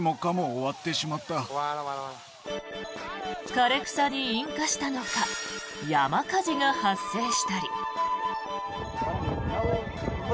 枯れ草に引火したのか山火事が発生したり。